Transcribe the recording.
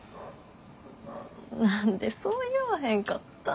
何でそう言わへんかったん。